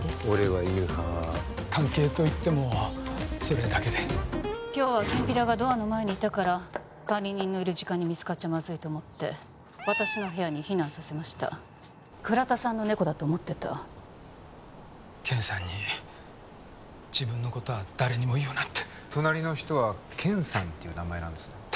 俺犬派関係といってもそれだけで今日はきんぴらがドアの前にいたから管理人のいる時間に見つかっちゃまずいと思って私の部屋に避難させました倉田さんの猫だと思ってたケンさんに自分のことは誰にも言うなって隣の人はケンさんっていう名前なんですね？